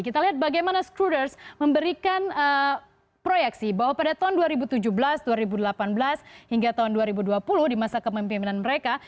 kita lihat bagaimana scruders memberikan proyeksi bahwa pada tahun dua ribu tujuh belas dua ribu delapan belas hingga tahun dua ribu dua puluh di masa kemimpinan mereka